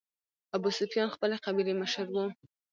ابوسفیان خپلې قبیلې مشر و.